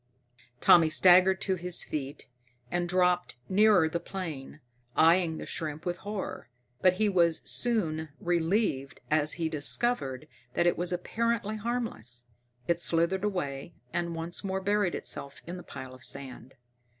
Tommy staggered to his feet and dropped nearer the plane, eyeing the shrimp with horror. But he was soon relieved as he discovered that it was apparently harmless. It slithered away and once more buried itself in the pile of sand.